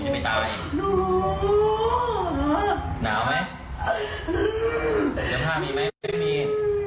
ไม่มี